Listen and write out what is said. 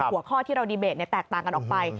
หัวข้อที่เราดีเบตแตกต่างกันออกไป